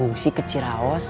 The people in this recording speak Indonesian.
bungsi ke ciraos